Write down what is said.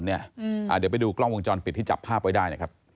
เดี๋ยวไปดูกล้องวงจรปิดที่จับภาพไว้ได้นะครับ